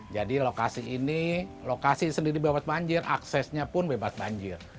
jadi lokasi ini lokasi sendiri bebas banjir aksesnya pun bebas banjir